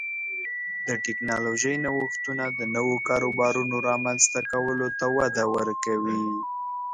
د ټکنالوژۍ نوښتونه د نوو کاروبارونو رامنځته کولو ته وده ورکوي.